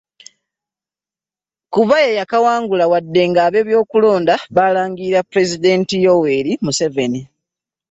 Kuba ye'yakawangula wadde nga ab'ebyokulonda baalangirira Pulezidenti Yoweri Museveni.